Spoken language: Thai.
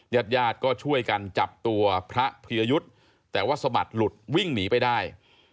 ญาติญาติก็ช่วยกันจับตัวพระพิยยุทธ์แต่ว่าสมัครหลุดวิ่งหนีไปได้